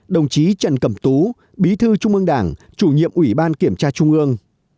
đồng chí trần cẩm tú bí thư trung ương đảng chủ nhiệm ủy ban kiểm tra trung ương